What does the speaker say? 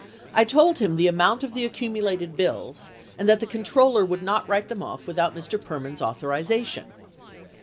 I told him the amount of the accumulated bills and that the controller would not write them off without Mr. Perman's authorization.